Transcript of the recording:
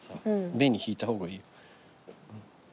紅引いた方がいい。